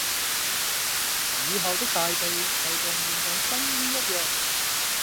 雨後的大地就像換上新衣一樣